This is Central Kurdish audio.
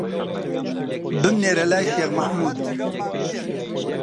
بمنێرە لای شێخ مەحموود